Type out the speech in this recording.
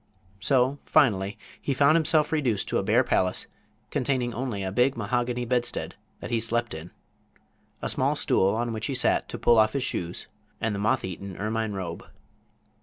So, finally, he found himself reduced to a bare palace, containing only a big mahogany bedstead that he slept in, a small stool on which he sat to pull off his shoes and the moth eaten ermine robe.